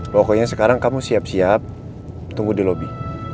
pokoknya sekarang kamu siap siap tunggu di lobi